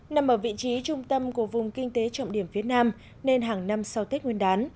nằm ở vị trí trung tâm của vùng kinh tế trọng điểm phía nam nên hàng năm sau tết nguyên đán